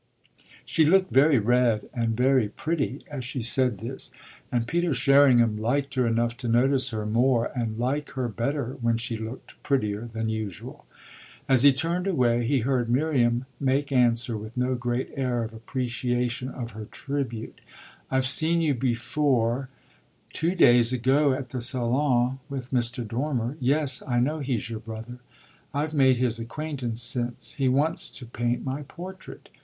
She looked very red and very pretty as she said this, and Peter Sherringham liked her enough to notice her more and like her better when she looked prettier than usual. As he turned away he heard Miriam make answer with no great air of appreciation of her tribute: "I've seen you before two days ago at the Salon with Mr. Dormer. Yes, I know he's your brother. I've made his acquaintance since. He wants to paint my portrait.